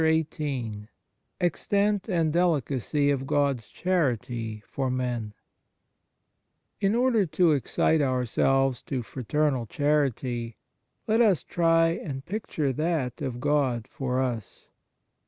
40 XVIII EXTENT AND DELICACY OF GOD S CHARITY FOR MEN IN order to excite ourselves to fraternal charity, let us try and picture that of God for us.